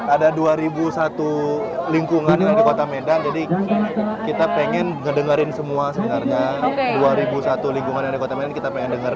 ada dua ribu satu lingkungan yang di kota medan jadi kita pengen ngedengerin semua sebenarnya